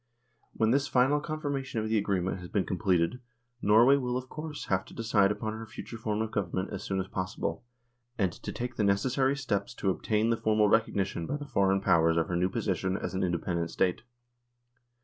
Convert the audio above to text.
When this final confirmation of the agreement has been completed, Norway will, of course, have to decide upon her future form of Government as soon as possible, and to take the necessary steps to obtain the formal recognition by the Foreign Powers of her new position as an independent State.